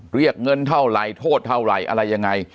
เรียกเงินเท่าไหร่โทษเท่าไหร่อะไรยังไง